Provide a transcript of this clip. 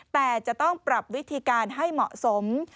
แต่จะต้องปรับวิธีการให้เหมาะสม